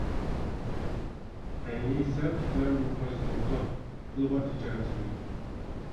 ھەي سېرىق تۈكلەرنىمۇ قويسا بوپتۇ، پۇلى بار تىجارەتچىلەر.